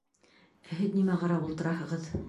Ә һеҙ нимә ҡарап ултыраһығыҙ?